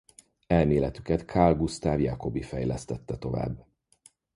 Elméletüket Carl Gustav Jacobi fejlesztette tovább.